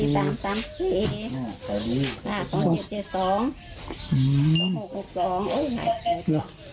เลขท้าย๕๔๔๕๔๘๙๑๐